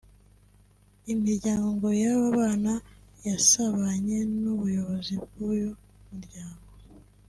Imiryango y’aba bana yasabanye n’ubuyobozi bw’uyu muryango